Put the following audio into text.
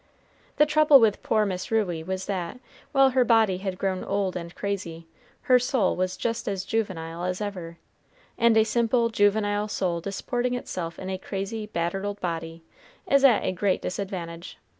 The trouble with poor Miss Ruey was that, while her body had grown old and crazy, her soul was just as juvenile as ever, and a simple, juvenile soul disporting itself in a crazy, battered old body, is at great disadvantage.